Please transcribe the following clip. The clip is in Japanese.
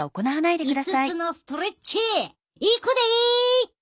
５つのストレッチいくで！